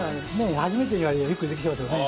初めての割にはよくできてますよね。